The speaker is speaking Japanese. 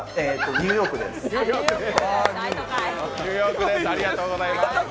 ニューヨークですありがとうございます。